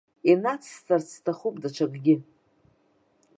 Инацысҵарц сҭахуп даҽакгьы.